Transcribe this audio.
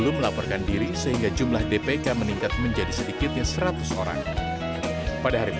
ppln vancouver mencari penyelidikan yang lebih baik